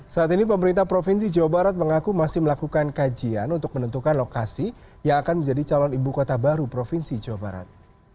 saat ini pemerintah provinsi jawa barat mengaku masih melakukan kajian untuk menentukan lokasi yang akan menjadi calon ibu kota baru provinsi jawa barat